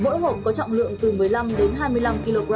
mỗi hộp có trọng lượng từ một mươi năm đến hai mươi năm kg